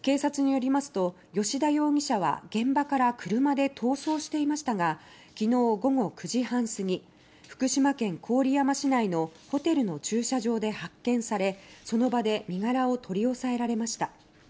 吉田容疑者は現場から車で逃走していましたがきのう午後９時半過ぎ福島県郡山市内のホテルの駐車場で発見されその場で身柄を取り押さえられました。